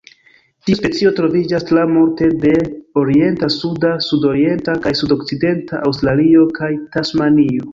Tiu specio troviĝas tra multe de orienta, suda, sudorienta kaj sudokcidenta Aŭstralio kaj Tasmanio.